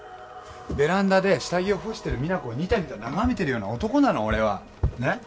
ベランダで下着を干してる実那子をニタニタ眺めてるような男なの俺は。